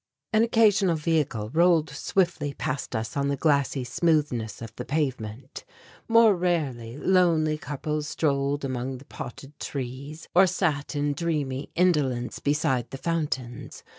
An occasional vehicle rolled swiftly past us on the glassy smoothness of the pavement; more rarely lonely couples strolled among the potted trees or sat in dreamy indolence beside the fountains.